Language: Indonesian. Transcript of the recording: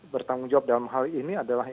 bertanggung jawab dalam hal ini adalah